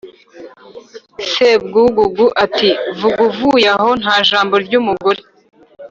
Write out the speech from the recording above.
sebwugugu ati: "vuga uvuye aho nta jambo ry' umugore.